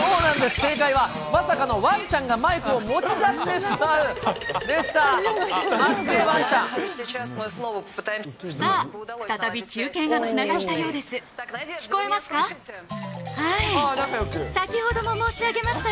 正解はまさかのわんちゃんがマイクを持ち去ってしまうでした。